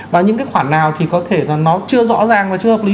và những cái khoản nào thì có thể là nó chưa rõ ràng và chưa hợp lý